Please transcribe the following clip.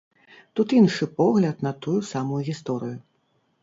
Тут іншы погляд на тую самую гісторыю.